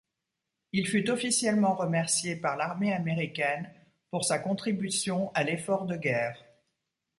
Il fut officiellement remercié par l'Armée américaine pour sa contribution à l'effort de guerre.